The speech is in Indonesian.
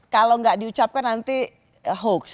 kalau nggak diucapkan nanti hoax